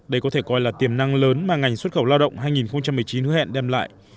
đây có thể coi là tiềm năng lớn mà ngành xuất khẩu lao động hai nghìn một mươi chín hứa hẹn đem lại